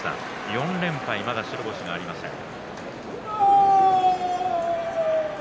４連敗、まだ白星がありません。